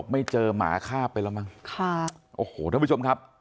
ไม่เจอมาฆ่าไปแล้วไหมอ้าวโอโหนะครับ